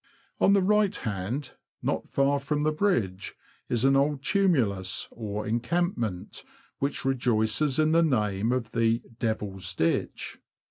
On the right hand, not far from the bridge, is an old tumulus, or encampment, which rejoices in the name of the " Devil's Ditch."